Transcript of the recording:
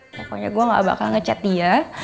pokoknya gua gak bakal ngechat dia